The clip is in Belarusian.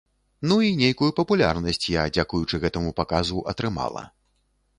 Ну і нейкую папулярнасць я, дзякуючы гэтаму паказу, атрымала.